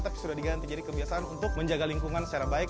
tapi sudah diganti jadi kebiasaan untuk menjaga lingkungan secara baik